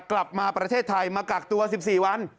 กลับมาประเทศไทยมากักตัว๑๔วัน